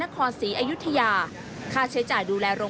อันนี้ก็จะเป็นเรื่องที่ทำให้ประเทศชาติเสียประโยชน์